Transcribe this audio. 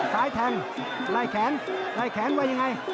ซ้ายแทงไล่แขนไล่แขนไว้ยังไง